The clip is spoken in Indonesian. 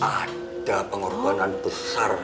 ada pengorbanan besar